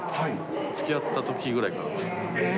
つきあったときぐらいから。